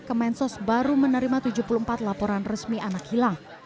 kemensos baru menerima tujuh puluh empat laporan resmi anak hilang